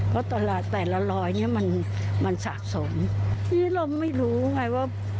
เพราะแต่ละรอยเนี้ยมันสะสมนี่เราไม่รู้ไงว่า